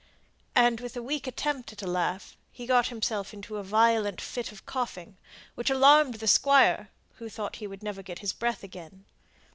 And, with a weak attempt at a laugh, he got himself into a violent fit of coughing, which alarmed the squire, who thought he would never get his breath again.